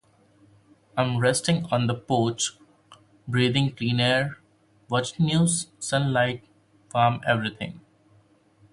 I'm resting on the porch, breathing clean air, watching new sunlight warm everything.